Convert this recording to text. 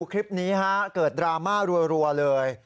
คลิปนี้เกิดดราม่ารัวเลย